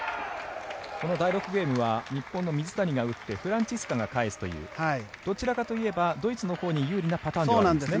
この第６ゲームは日本の水谷が打ってフランツィスカが返すというどちらかといえばドイツのほうに有利なパターンなんですね。